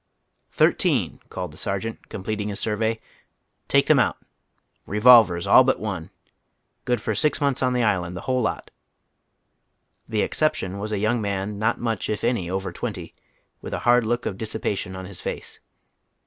"Thirteen !" called the sergeant, completing his survey. " Take tliem out. ' Eevolvers ' all but one. Good for six months on the island, the whole lot." The exception was a young irian not much if any over twenty, with a hard jook of dissipation on his face.